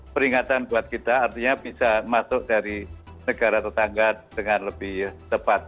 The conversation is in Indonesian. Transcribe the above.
peringatan buat kita artinya bisa masuk dari negara tetangga dengan lebih tepat